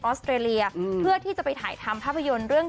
สเตรเลียเพื่อที่จะไปถ่ายทำภาพยนตร์เรื่อง